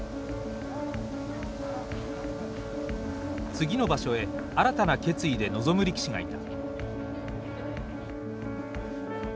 次の場所へ新たな決意で臨む力士がいた。